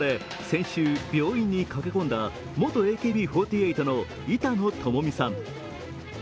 先週、病院に駆け込んだ元ＡＫＢ４８の板野友美さん。